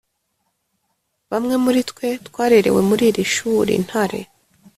Bamwe muri twe twarerewe muri iri shuri (Ntare)